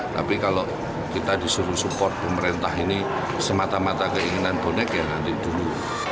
tapi kalau kita disuruh support pemerintah ini semata mata keinginan bonek ya nanti dulu